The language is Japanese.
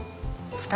２人？